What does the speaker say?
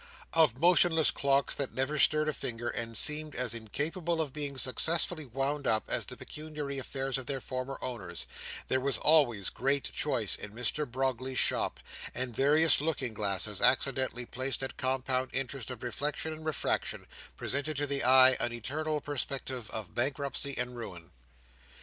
Of motionless clocks that never stirred a finger, and seemed as incapable of being successfully wound up, as the pecuniary affairs of their former owners, there was always great choice in Mr Brogley's shop; and various looking glasses, accidentally placed at compound interest of reflection and refraction, presented to the eye an eternal perspective of bankruptcy and ruin.